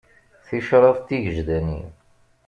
Ticraḍ tigejdanin.